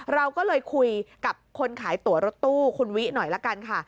เราก็เลยคุยกับคนขายตัวรถตู้คุณวิหน่อยละกันค่ะ